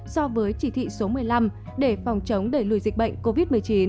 so với chỉ thị số một mươi năm để phòng chống đẩy lùi dịch bệnh covid một mươi chín